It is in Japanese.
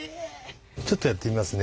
ちょっとやってみますね。